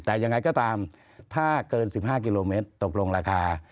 แต่ยังไงก็ตามถ้าเกิน๑๕กิโลเมตรตกลงราคา